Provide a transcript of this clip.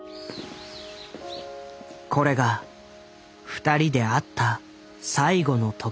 これが２人で会った最後の時となった。